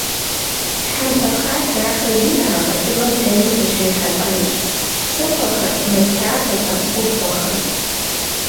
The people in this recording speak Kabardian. Тхьэмпэ хъар дахэ зиӏэ а къэкӏыгъэм дэни фыщрихьэлӏэнущ: псыхъуэхэм, мэз лъапэхэм, губгъуэхэм.